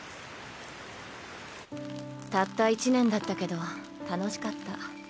たった１年だったけど楽しかった。